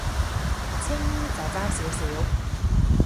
青衣就爭少少